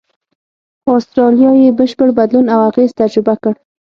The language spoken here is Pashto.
خو استرالیا یې بشپړ بدلون او اغېز تجربه کړ.